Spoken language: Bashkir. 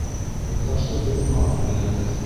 — Юлдашты беҙ аҙ беләбеҙ.